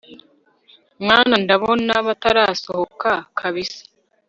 mwana ndabona batarasohoka kabsa